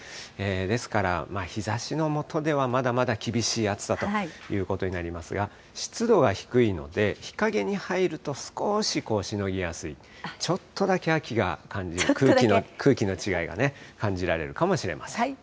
ですから、日ざしの下ではまだまだ厳しい暑さということになりますが、湿度が低いので、日陰に入ると少ししのぎやすい、ちょっとだけ秋が感じる、空気の違いがね、感じられるかもしれません。